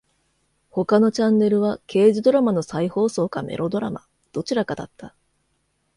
他のチャンネルは刑事ドラマの再放送かメロドラマ。どちらかだった。